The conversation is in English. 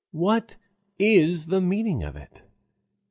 What is the meaning of it?